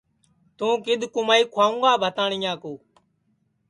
توں کِدؔ کُمائی کھوائوں گا بھتانیا کُو